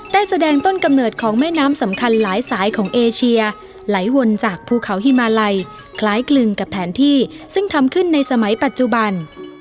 ได้แสดงต้นกำเนิดของแม่น้ำสำคัญหลายสายของเอเชียไหลวนจากภูเขาฮิมาลัยคล้ายกลึงกับแผนที่ซึ่งทำขึ้นในสมัยปัจจุบัน